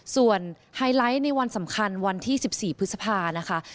ส่วนไฮไลท์ในวันสำคัญวันที่๑๔พฤษภานะคะ